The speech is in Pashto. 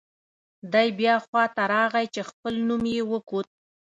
دی بیا خوا ته راغی چې خپل نوم یې وکوت.